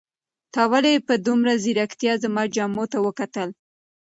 تا ولې په دومره ځیرکتیا زما جامو ته وکتل؟